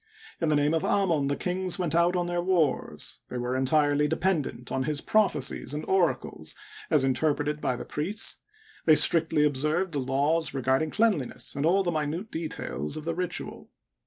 In the name of Amon the kings went out on their wars ; they were entirely dependent on his prophecies and oracles as interpreted by the priests ; they strictly observed the laws regarding cleanliness and all the minute details of the ritual.